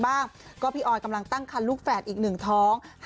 เพราะพี่ออยกำลังตั้งคันลูกแฝดอีก๑ท้อง